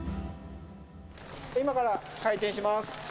今から開店します。